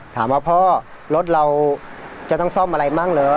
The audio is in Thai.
ถามว่าพ่อรถเราจะต้องซ่อมอะไรมั่งเหรอ